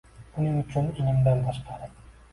Buning uchun ilmdan tashqari